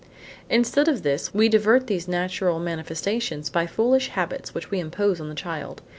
Instead of this, we divert these natural manifestations by foolish habits which we impose on the child.